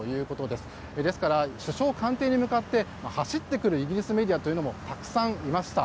ですから、首相官邸に向かって走ってくるイギリスメディアもたくさんいました。